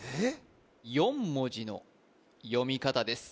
４文字の読み方です